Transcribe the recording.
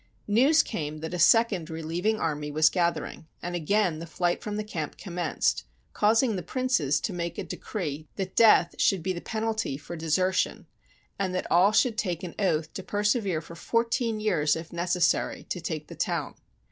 News came that a second relieving army was gathering, and again the flight from the camp commenced, causing the princes to make a decree that death should be the penalty for desertion, and that all should take an oath to persevere for four teen years, if necessary, to take the town.